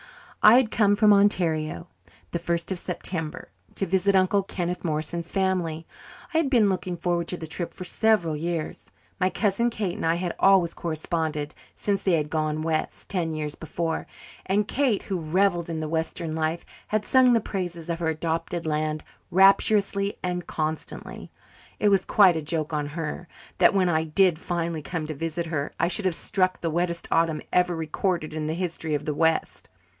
I had come from Ontario, the first of September, to visit Uncle Kenneth Morrison's family. I had been looking forward to the trip for several years. My cousin Kate and I had always corresponded since they had "gone west" ten years before; and Kate, who revelled in the western life, had sung the praises of her adopted land rapturously and constantly. It was quite a joke on her that, when I did finally come to visit her, I should have struck the wettest autumn ever recorded in the history of the west.